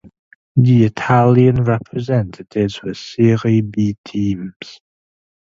The Italian representatives were Serie B teams.